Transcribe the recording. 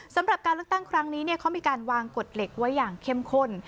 สำหรับการเลือกตั้งครั้งนี้เขามีการวางกฎเหล็กไว้อย่างเข้มข้น